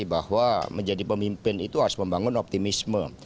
bahwa menjadi pemimpin itu harus membangun optimisme